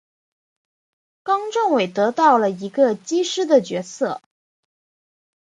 冈政伟得到了一个机师的角色。